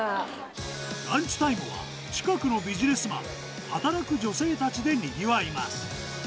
ランチタイムは、近くのビジネスマン、働く女性たちでにぎわいます。